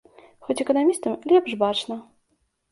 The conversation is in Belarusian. Хоць эканамістам лепш бачна.